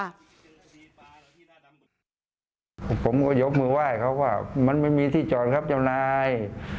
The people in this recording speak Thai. ผมก็ยกมือไหว้เขาก็มันไม่มีที่จอดครับเจ้านาย